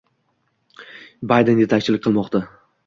Bayden yetakchilik qilmoqda